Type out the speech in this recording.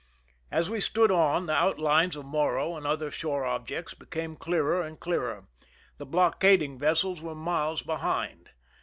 As we stood on, the outlines of Morro and other shore objects became clearer and clearer. The blockading vessels were miles behind.